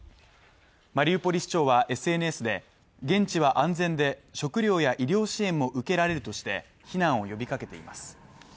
マリウポリ市長はＳＮＳで、現地は安全で食料や医療支援も受けられるとして避難を呼びかけています。